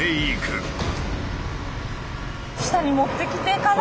下に持ってきてから。